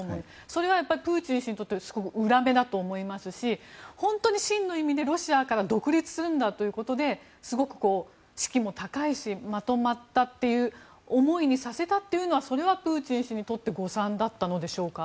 それはプーチン氏にとっては裏目だと思いますし本当に真の意味でロシアから独立するんだということですごく士気も高いしまとまったという思いにさせたというのはそれはプーチン氏にとって誤算だったのでしょうか。